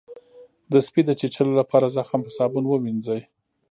د سپي د چیچلو لپاره زخم په صابون ووینځئ